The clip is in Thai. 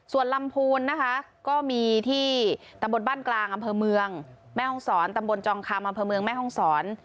ส่วนลำพูนนะคะก็มีที่ตำบลบ้านกลางอำเภอเมืองแม่ห้องศรตำบลจองคำอำเภอเมืองแม่ห้องศร